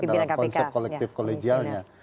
dalam konsep kolektif kolegialnya